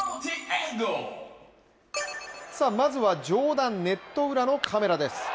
まずは上段ネット裏のカメラです。